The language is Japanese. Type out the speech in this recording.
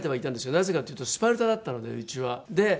なぜかっていうとスパルタだったのでうちは。